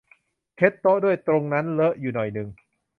เช็ดโต๊ะด้วย ตรงนั้นเลอะอยู่หน่อยนึง